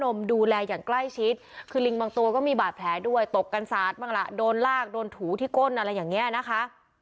ดูแลอย่างใกล้ชิดคือลิงบางตัวก็มีบาดแผลด้วยตกกันสาดบ้างล่ะโดนลากโดนถูที่ก้นอะไรอย่างเงี้ยนะคะ